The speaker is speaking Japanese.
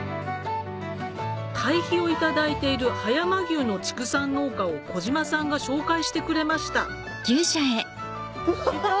堆肥を頂いている葉山牛の畜産農家を小島さんが紹介してくれましたうわ！